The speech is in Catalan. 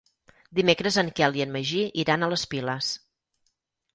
Dimecres en Quel i en Magí iran a les Piles.